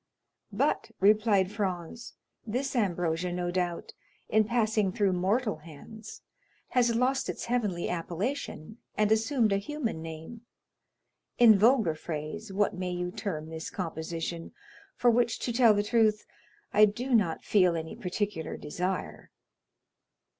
"But," replied Franz, "this ambrosia, no doubt, in passing through mortal hands has lost its heavenly appellation and assumed a human name; in vulgar phrase, what may you term this composition, for which, to tell the truth, I do not feel any particular desire?"